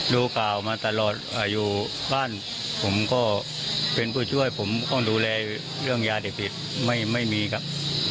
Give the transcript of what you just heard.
ดูข่าวมาตลอดอยู่บ้านผมก็เป็นผู้ช่วยผมต้องดูแลเรื่องยาเสพติดไม่มีครับ